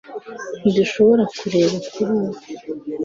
ntidushobora kureba kuri ubu